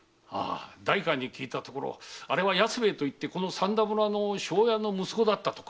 代官に聞いたところあれは安兵衛といってこの散田村の庄屋の息子だったとか。